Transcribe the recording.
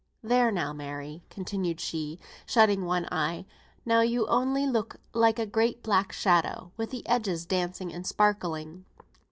There now, Mary," continued she, shutting one eye, "now you only look like a great black shadow, with the edges dancing and sparkling."